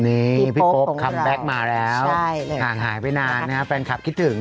นี่พี่โก๊คคัมแบ็คมาแล้วห่างหายไปนานนะครับแฟนคลับคิดถึง